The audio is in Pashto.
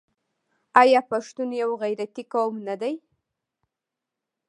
آیا پښتون یو غیرتي قوم نه دی؟